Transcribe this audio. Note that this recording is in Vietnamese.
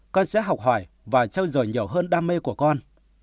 con sẽ học hỏi và trao dồi nhiều hơn đam mê của con